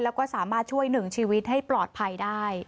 แล้วก็สามารถช่วยหนึ่งชีวิตให้ปลอดภัยได้